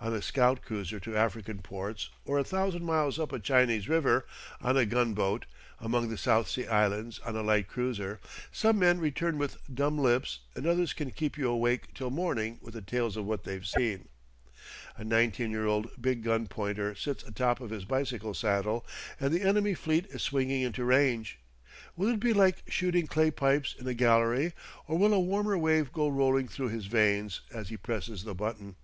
On a scout cruiser to African ports, or a thousand miles up a Chinese river on a gunboat, among the South Sea Islands on a light cruiser, some men return with dumb lips and others can keep you awake till morning with the tales of what they've seen. A nineteen year old big gun pointer sits atop of his bicycle saddle, and the enemy fleet is swinging into range. Will it be like shooting clay pipes in a gallery or will a warmer wave go rolling through his veins as he presses the button?